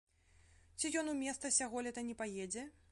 Ці ён у места сяголета не паедзе?